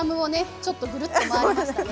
ちょっとぐるっと回りましたね。